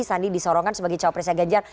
sandi disorongkan sebagai cowok presiden gajah